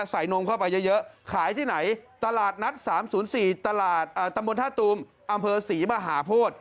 ใส่นมเข้าไปเยอะขายที่ไหนตลาดนัด๓๐๔ตำรวจธาตุอำเภอ๔มหาโพธ